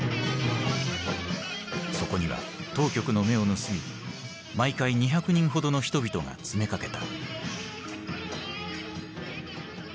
そこには当局の目を盗み毎回２００人ほどの人々が詰めかけた。